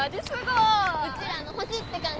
うちらの星って感じ。